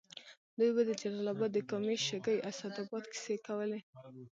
دوی به د جلال اباد د کامې، شګۍ، اسداباد کیسې کولې.